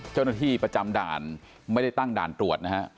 เจ้าหน้าที่ประจำด่านไม่ได้ตั้งด่านตรวจนะฮะ